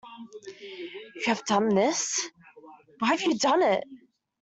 You have done this? Why have you done it?